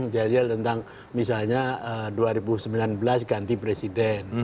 yel yel tentang misalnya dua ribu sembilan belas ganti presiden